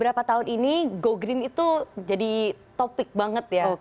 berapa tahun ini go green itu jadi topik banget ya